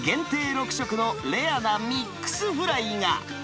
６食のレアなミックスフライが。